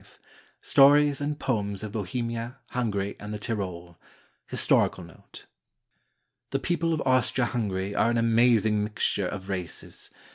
V STORIES AND POEMS OF BOHEMIA, HUNGARY, AND THE TYROL HISTORICAL NOTE The people of Austria Hungary are an amazing mixture of races.